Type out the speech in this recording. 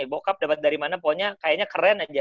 bokap dapat dari mana pokoknya kayaknya keren aja